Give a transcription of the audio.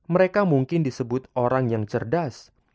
mereka mungkin disebut orang yang cerdas